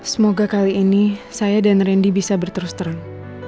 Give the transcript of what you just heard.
semoga kali ini saya dan randy bisa berterus terang